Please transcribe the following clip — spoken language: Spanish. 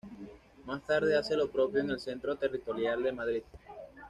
Más tarde hace lo propio en el Centro Territorial de Madrid.